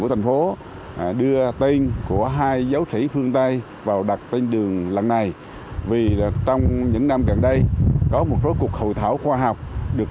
của thành phố đưa tên của hai giáo sĩ phương tây vào đặt tên cho hai tuyến đường